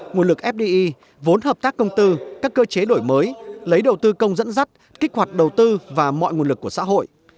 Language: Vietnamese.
nguồn lực fdi vốn hợp tác công tư các cơ chế đổi mới lấy đầu tư công dẫn dắt kích hoạt đầu tư và mọi nguồn lực của xã hội